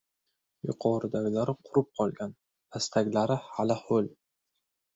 Yuqoridagilari qurib qolgan, pastdagilari hali ho‘l.